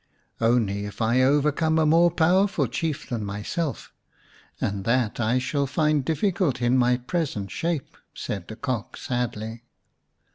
" Only if I overcome a more powerful Chief than myself, and that I shall find difficult in my present shape," said the Cock sadly.